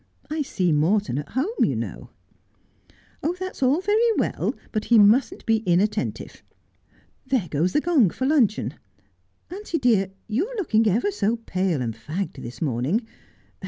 I see Morton at home, you know.' ' That's all very well, but he mustn't be inattentive. There goes the gong for luncheon. Auntie dear, you are locking ever so pale and fagged this morning.